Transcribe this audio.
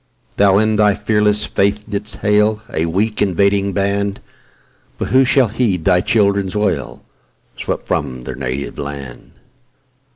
Thou in thy fearless faith didst hail A weak, invading band, But who shall heed thy children's wail, Swept from their native land?